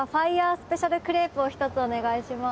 スペシャルクレープを１つお願いします。